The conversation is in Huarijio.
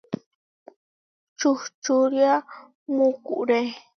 Čuhčúria mukuré.